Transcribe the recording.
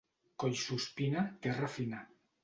Collsuspina, terra fina.